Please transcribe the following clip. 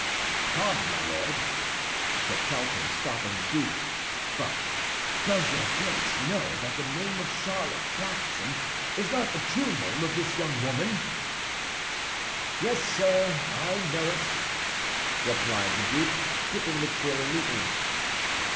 "Pardon, my Lord," said Felton, stopping the duke; "but does your Grace know that the name of Charlotte Backson is not the true name of this young woman?" "Yes, sir, I know it," replied the duke, dipping the quill in the ink.